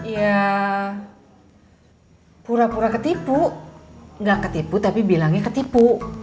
ya pura pura ketipu nggak ketipu tapi bilangnya ketipu